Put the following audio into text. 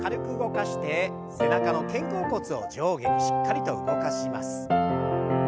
背中の肩甲骨を上下にしっかりと動かします。